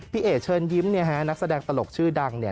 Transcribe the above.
พี่เอ๋เชิญยิ้มนักแสดงตลกชื่อดัง